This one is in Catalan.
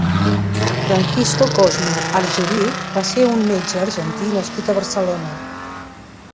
Francisco Cosme Argerich va ser un metge argentí nascut a Barcelona.